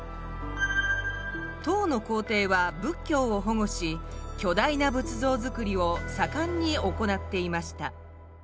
唐の皇帝は仏教を保護し巨大な仏像造りをさかんに行っていました。